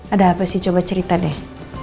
ada apa sih coba cerita deh